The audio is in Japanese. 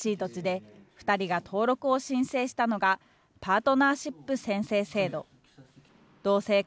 新しい土地で、２人が登録を申請したのが、パートナーシップ宣誓制度。